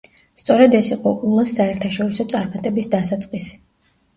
სწორედ ეს იყო ულას საერთაშორისო წარმატების დასაწყისი.